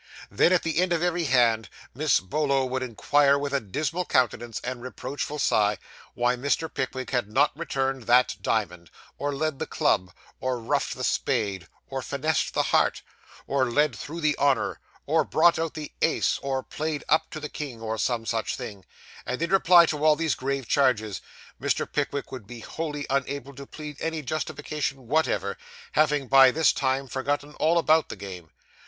Then, at the end of every hand, Miss Bolo would inquire with a dismal countenance and reproachful sigh, why Mr. Pickwick had not returned that diamond, or led the club, or roughed the spade, or finessed the heart, or led through the honour, or brought out the ace, or played up to the king, or some such thing; and in reply to all these grave charges, Mr. Pickwick would be wholly unable to plead any justification whatever, having by this time forgotten all about the game.